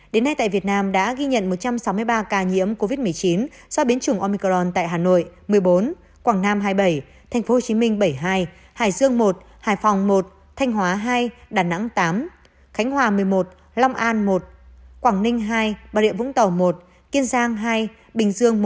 đến nay tại việt nam đã ghi nhận một trăm sáu mươi ba ca nhiễm covid một mươi chín do biến chủng omicron tại hà nội một mươi bốn quảng nam hai mươi bảy tp hcm bảy mươi hai hải dương một hải phòng một thanh hóa hai đà nẵng tám khánh hòa một mươi một long an một quảng ninh hai bà rịa vũng tàu một kiên giang hai bình dương một